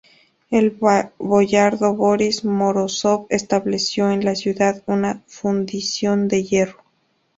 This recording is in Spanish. El boyardo Borís Morózov estableció en la ciudad una fundición de hierro.